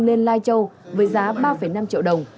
lên lai châu với giá ba năm triệu đồng